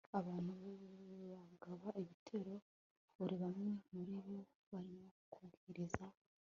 abantu bagaba ibitero kuri bamwe muri bo barimo kubwiriza